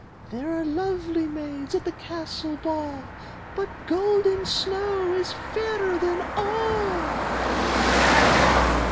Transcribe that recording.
There are lovely maids at the castle ball, But Golden Snow is fairer than all."